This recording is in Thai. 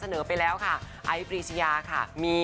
ต้องใช้เวลาด้วยกันอะไรอย่างนี้